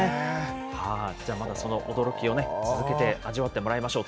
じゃあまず、その驚きを続けて味わってもらいましょう。